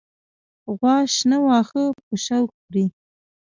غوا شنه واخه په شوق خوری